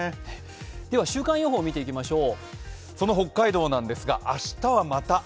では週間予報を見ていきましょう。